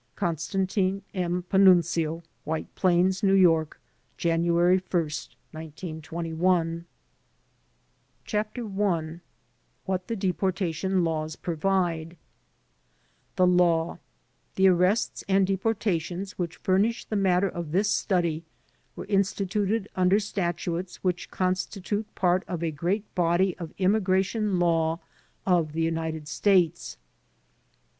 C. M. Panunzio. White Plains, N. 7., Januafy ist, i^2i CHAPTER I WHAT THE DEPORTATION LAWS PROVIDE The Law The arrests and deportations which furnish the matter of this study were instituted under statutes which con stitute part of a great body of Immigration Law of the United States.